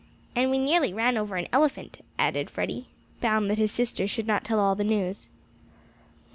"And we nearly ran over an elephant," added Freddie, bound that his sister should not tell all the news.